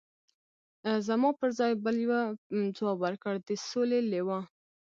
زما پر ځای بل یوه ځواب ورکړ: د سولې لوا.